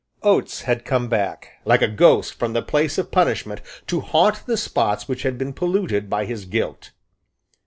Gates had come back, like a ghost from the place of punishment, to haunt the spots which had been polluted by his guilt.